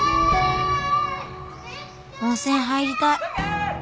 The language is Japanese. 温泉入りたい。